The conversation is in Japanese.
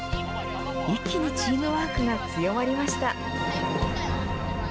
一気にチームワークが強まりました。